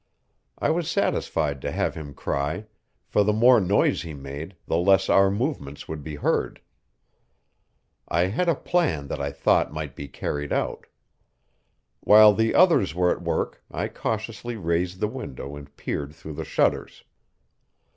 I was satisfied to have him cry, for the more noise he made the less our movements would be heard. I had a plan that I thought might be carried out. While the others were at work, I cautiously raised the window and peered through the shutters.